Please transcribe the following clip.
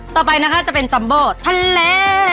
ต่อไปนะคะจะเป็นจัมโบทะเล